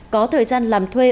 có thời gian làm thuê